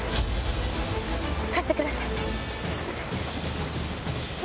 貸してください。